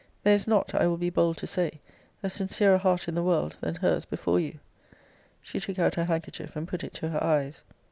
There is not, I will be bold to say, a sincerer heart in the world than her's before you. She took out her handkerchief, and put it to her eyes.